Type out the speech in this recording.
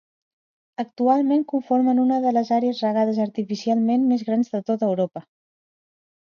Actualment conformen una de les àrees regades artificialment més grans de tota Europa.